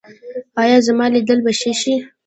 ایا زما لیدل به ښه شي؟